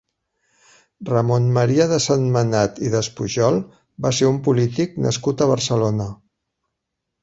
Ramon Maria de Sentmenat i Despujol va ser un polític nascut a Barcelona.